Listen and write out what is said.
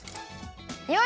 よし！